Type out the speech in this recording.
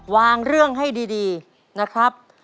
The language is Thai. วางเรื่องให้ดีนะครับ